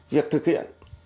việc thực hiện